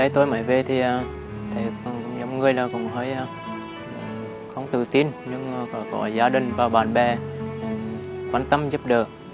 tôi không tự tin nhưng có gia đình và bạn bè quan tâm giúp đỡ